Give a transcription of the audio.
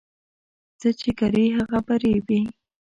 څه چې کرې هغه په رېبې